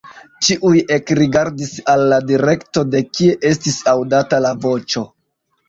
Ĉiuj ekrigardis al la direkto, de kie estis aŭdata la voĉo.